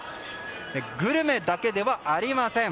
グルメだけではありません。